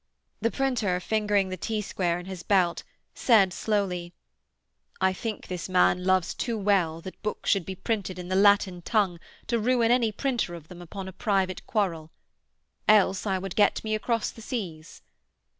The printer, fingering the T square in his belt, said, slowly, 'I think this man loves too well that books should be printed in the Latin tongue to ruin any printer of them upon a private quarrel. Else I would get me across the seas.'